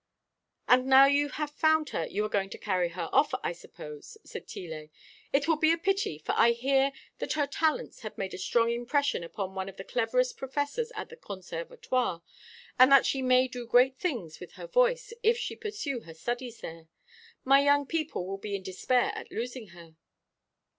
"And now you have found her you are going to carry her off, I suppose," said Tillet. "It will be a pity, for I hear that her talents have made a strong impression upon one of the cleverest professors at the Conservatoire, and that she may do great things with her voice if she pursue her studies there. My young people will be in despair at losing her."